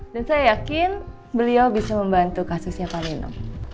dan saya yakin beliau bisa membantu kasusnya pak nino